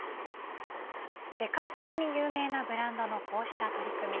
世界的に有名なブランドのこうした取り組み